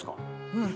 うん。